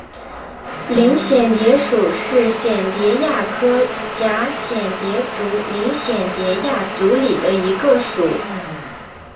林蚬蝶属是蚬蝶亚科蛱蚬蝶族林蚬蝶亚族里的一个属。